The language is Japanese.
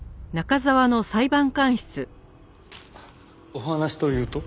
お話というと？